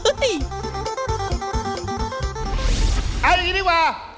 เอาอย่างนี้ดีกว่า